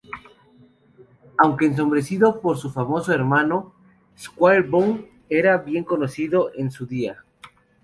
Aunque ensombrecido por su famoso hermano, Squire Boone era bien conocido en su día.